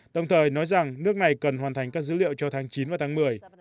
đồng thời nói rằng nước này cần hoàn thành các dữ liệu cho tháng chín và tháng một mươi